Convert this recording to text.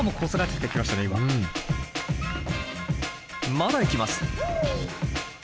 まだ行きます。